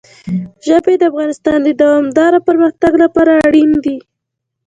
ژبې د افغانستان د دوامداره پرمختګ لپاره اړین دي.